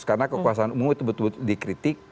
karena kekuasaan umum itu betul betul dikritik